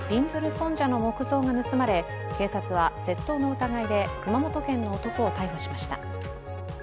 尊者の石こうが盗まれ警察は窃盗の疑いで熊本県の男を逮捕しました。